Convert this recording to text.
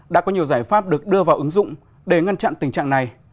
đã có nhiều giải pháp được đưa vào ứng dụng để ngăn chặn tình trạng này